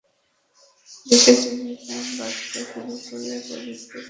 দেশে চিনির দাম বাড়তে শুরু করে পবিত্র রমজান শুরুর দুই মাস আগে।